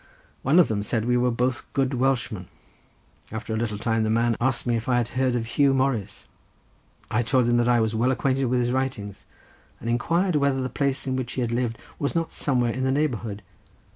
One of them said we were both good Welshmen. After a little time the man asked me if I had heard of Huw Morris. I told him that I was well acquainted with his writings, and inquired whether the place in which he had lived was not somewhere in the neighbourhood.